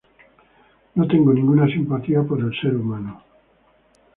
No tengo ninguna simpatía por el ser humano.